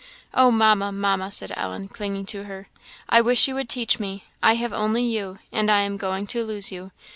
"Oh, Mamma, Mamma!" said Ellen, clinging to her, "I wish you would teach me! I have only you, and I am going to lose you.